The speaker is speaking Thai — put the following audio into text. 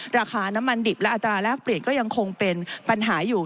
ราคาน้ำมันดิบและอัตราแรกเปลี่ยนก็ยังคงเป็นปัญหาอยู่